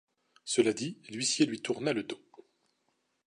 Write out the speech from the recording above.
Cela dit, l’huissier lui tourna le dos.